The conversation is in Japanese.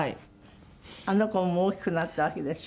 あの子ももう大きくなったわけでしょ？